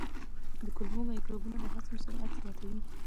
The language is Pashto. د کولمو مایکروبونه د هضم سرعت زیاتوي.